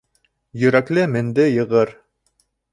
Йөрәкле менде йығыр.